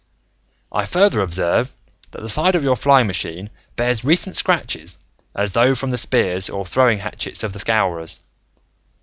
I further observe that the side of your flying machine bears recent scratches, as though from the spears or throwing hatchets of the Scowrers.